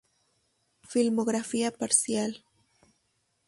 Filmografía parcial.